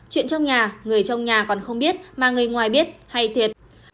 chuyện trong nhà người trong nhà còn không biết mà người ngoài biết hay thiệt